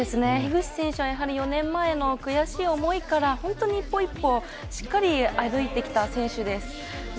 樋口選手は４年前の悔しい思いから本当に一歩一歩しっかり歩いてきた選手です。